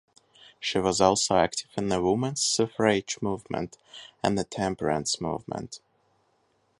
She was also active in the Women's suffrage movement and the Temperance movement.